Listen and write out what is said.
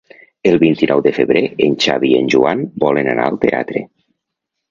El vint-i-nou de febrer en Xavi i en Joan volen anar al teatre.